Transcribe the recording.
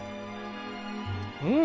うん！